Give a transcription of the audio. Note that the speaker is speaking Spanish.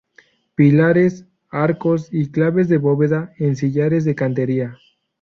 Pilares, arcos y claves de bóveda en sillares de cantería.